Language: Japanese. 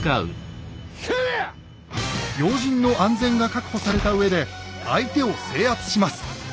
要人の安全が確保されたうえで相手を制圧します。